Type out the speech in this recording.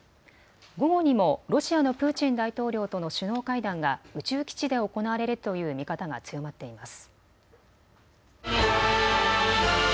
午後にもロシアのプーチン大統領との首脳会談が宇宙基地で行われるという見方が強まっています。